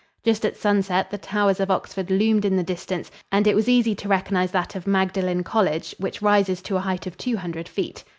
Just at sunset the towers of Oxford loomed in the distance, and it was easy to recognize that of Magdalen College, which rises to a height of two hundred feet.